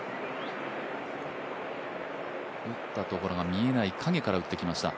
打ったところが見えない、陰から打ってきました。